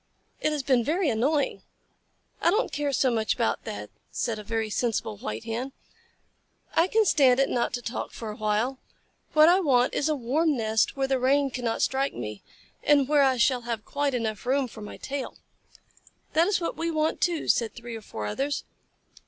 It has been very annoying." "I don't care so much about that," said a very sensible White Hen. "I can stand it not to talk for a while. What I want is a warm nest where the rain cannot strike me, and where I shall have quite room enough for my tail." "That is what we want, too," said three or four others.